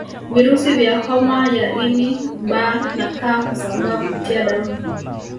Virusi vya homa ya ini B na C husambaa kupitia damu